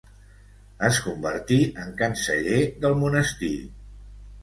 Es convertí en canceller del monestir.